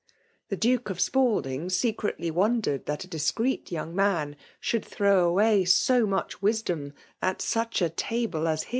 The Duke of Spalding secretly won dered that a discreet young man should throw away so much wisdom at such a table as hU.